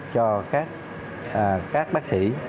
cho các bác sĩ